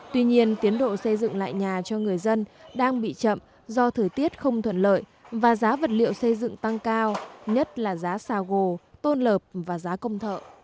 tuy nhiên tiến độ xây dựng lại nhà cho người dân đang bị chậm do thời tiết không thuận lợi và giá vật liệu xây dựng tăng cao nhất là giá xà gồ tôn lợp và giá công thợ